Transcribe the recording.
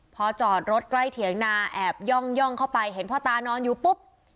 พอจอดรถใกล้เถียงนาแอบย่องเข้าไปเห็นพ่อตานอนอยู่ปุ๊บ